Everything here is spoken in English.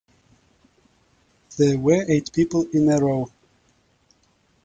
There were eight people in a row.